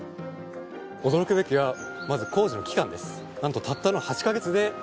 驚くべきはまず工事の期間です。